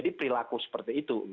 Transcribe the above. ketika perilaku seperti itu